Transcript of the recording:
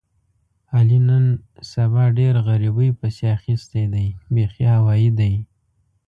علي نن سبا ډېر غریبۍ پسې اخیستی دی بیخي هوایي دی.